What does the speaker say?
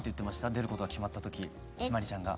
出ることが決まった時陽葵ちゃんが。